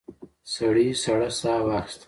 سړي سړه ساه واخیسته.